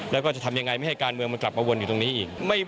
แล้วก็จะทำยังไงไม่ให้การเมืองมันกลับมาวนอยู่ตรงนี้อีก